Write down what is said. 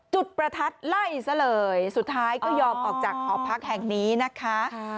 จุดประทัดไล่ซะเลยสุดท้ายก็ยอมออกจากหอพักแห่งนี้นะคะ